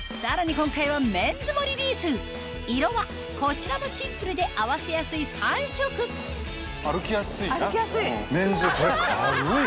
今回はメンズもリリース色はこちらもシンプルで合わせやすい３色歩きやすいなメンズこれ軽い！